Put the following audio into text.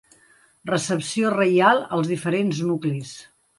Recepció reial als diferents nuclis.